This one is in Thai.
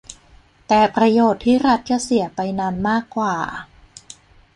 แต่ประโยชน์ที่รัฐจะเสียไปนั้นมากกว่า